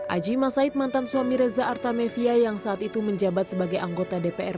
aji masaid mantan suami reza artamevia yang saat itu menjabat sebagai anggota dpr